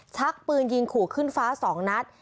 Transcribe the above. ชักปืนยิงขู่ขึ้นฟ้า๒นัด